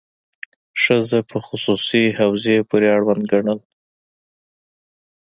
ښځه په خصوصي حوزې پورې اړونده ګڼل.